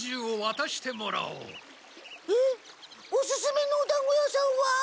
おすすめのおだんご屋さんは？